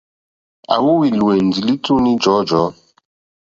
À wóhwì lùwɛ̀ndì lítúní jɔ̀ɔ́jɔ̀ɔ́.